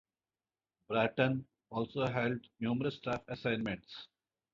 Bratton also held numerous staff assignments.